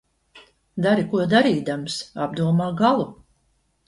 Dari, ko darīdams, apdomā galu.